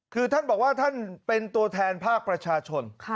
คือท่านบอกว่าท่านเป็นตัวแทนภาคประชาชน